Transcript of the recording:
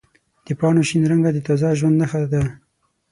د پاڼو شین رنګ د تازه ژوند نښه ده.